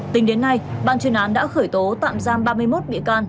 tính đến nay ban chuyên án đã khởi tố tạm giam ba mươi một bị can